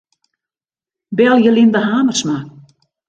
Belje Linda Hamersma.